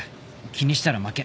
気にしたら負け。